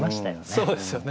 そうですよね。